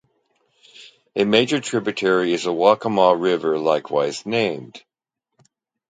A major tributary is the Waccamaw River likewise named.